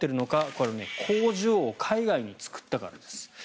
これは工場を海外に作ったからです。